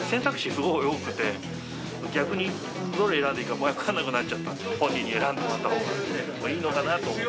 すごい多くて、逆にどれを選んでいいか、分からなくなっちゃったんで、本人に選んでもらったほうがいいのかなと思って。